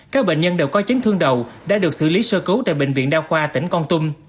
các bệnh nhân đều có chấn thương đầu đã được xử lý sơ cứu tại bệnh viện đa khoa tỉnh con tum